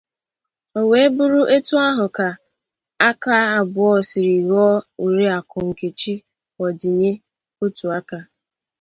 O wee bụrụ etu ahụ ka aka abụọ siri ghọọ Oriakụ Nkechi Odinye otu aka